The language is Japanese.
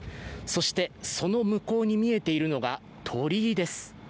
そして、その向こうに見えているのが鳥居です。